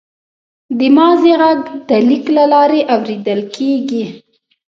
د ماضي غږ د لیک له لارې اورېدل کېږي.